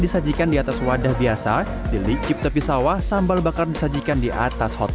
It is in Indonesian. disajikan di atas wadah biasa dilicipi sawah sambal bakar disajikan di atas hot plate